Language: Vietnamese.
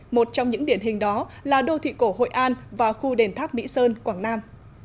một trong những điển hình đó là đô thị cổ hội an và khu đền tháp mỹ sơn quảng nam